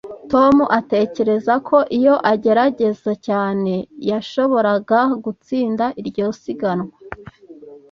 Tom atekereza ko iyo agerageza cyane, yashoboraga gutsinda iryo siganwa